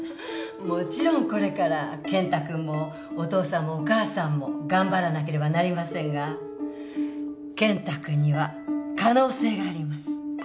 もちろんこれから健太君もお父さんもお母さんも頑張らなければなりませんが健太君には可能性があります。